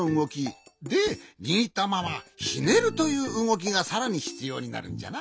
でにぎったままひねるといううごきがさらにひつようになるんじゃな。